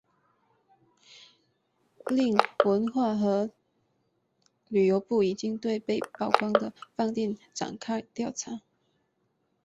另文化和旅游部已经对被曝光的饭店展开调查。